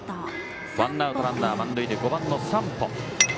ワンアウトランナー満塁で５番、山保。